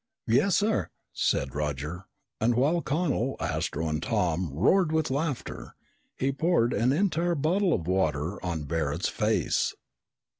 "Yes, sir!" said Roger, and while Connel, Astro, and Tom roared with laughter, he poured an entire bottle of water on Barret's face.